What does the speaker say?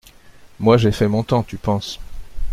Moi j’ai fait mon temps, tu penses.